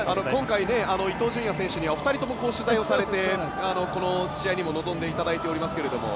今回、伊東純也選手にはお二人とも取材をされて試合に臨んでいただいています。